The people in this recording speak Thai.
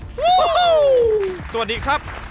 โอ้โหสวัสดีครับ